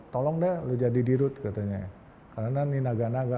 tolong deh lo jadi dirut katanya ya karena ini naga naga